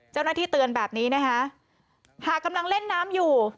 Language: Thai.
เจ้าหน้าที่เตือนแบบนี้นะคะหากกำลังเล่นน้ำอยู่